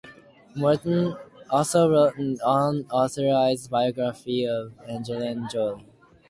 Morton also wrote an unauthorized biography of Angelina Jolie.